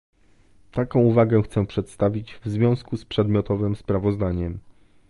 Taką uwagę chcę przedstawić w związku z przedmiotowym sprawozdaniem